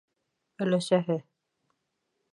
Өләсәһе: